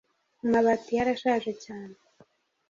amabati ye arashaje cyane